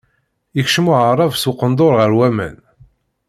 Yekcem Waɛrab s uqendur ɣer waman.